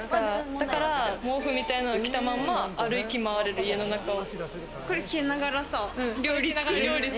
だから毛布みたいなのを着たまま歩き回れる、家の中を。